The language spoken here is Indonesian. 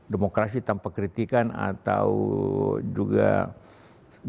demokrasi tanpa kritikan atau juga